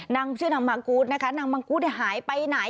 นางชื่อนางมากูธนะคะนางมังกูธหายไปไหน